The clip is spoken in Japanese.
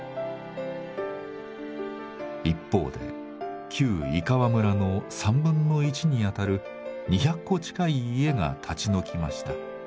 一方で旧井川村の1/3に当たる２００戸近い家が立ち退きました。